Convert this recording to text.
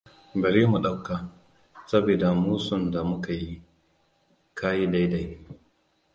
Bari mu dauka, sabida musun da muka yi, ka yi daidai.